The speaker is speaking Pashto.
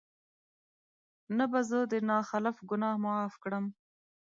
نه به زه د نا خلف ګناه معاف کړم